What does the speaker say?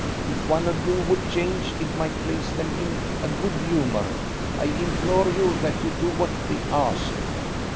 "If one of you would change, it might place them in a good humour. I implore you that you do what they ask."